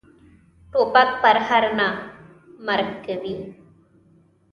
توپک پرهر نه، مرګ کوي.